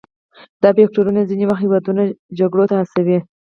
دا فکتورونه ځینې وخت هیوادونه جګړو ته هڅوي